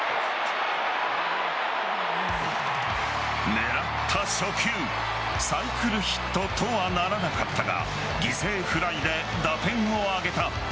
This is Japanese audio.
狙った初球サイクルヒットとはならなかったが犠牲フライで打点を挙げた。